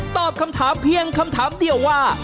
ตอบคำถามเพียงคำถามเดียวว่า